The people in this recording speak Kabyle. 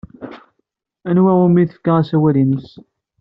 Anwa umi tefka asawal-nnes?